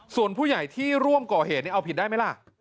ส่วนผู้ใหญ่ที่ร่วมก่อเหตุนี้เอาผิดได้ไหมล่ะ